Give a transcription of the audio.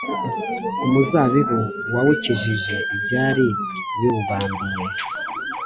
umuzabibu wawukijije ibyari biwubambiye